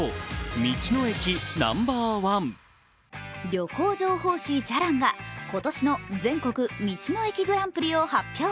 旅行情報誌「じゃらん」が今年の全国道の駅グランプリを発表。